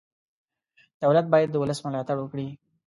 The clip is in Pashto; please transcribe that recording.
دولت باید د ولس ملاتړ وکړي.